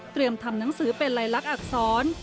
เตรียมทำหนังสือเป็นลายลักษณ์อักษร